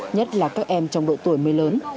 nhất là các em trong độ tuổi mới lớn